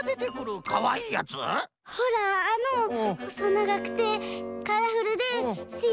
ほらあのほそながくてカラフルです